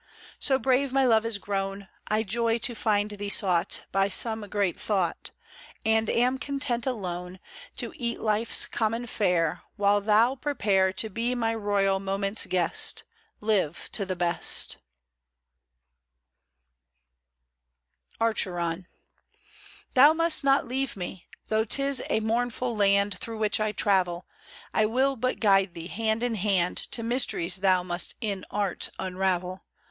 So brave my love is grown, I joy to find thee sought By some great thought ; And am content alone To eat lifers common fare, While thou prepare To be my royal moment's guest : Live to the Best 1 49 THOU must not leave me ! Though 'tis a mournful land Through which I travel, I will but guide thee, hand in hand. To mysteries thou must in art unravel.